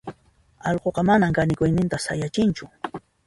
allquqa manan kanikuyninta sayachinchu.